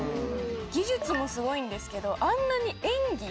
技術もすごいんですけどあんなに。